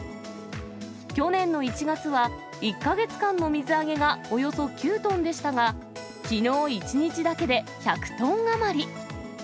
去年の１月は１か月間の水揚げがおよそ９トンでしたが、きのう１日だけで１００トン余り。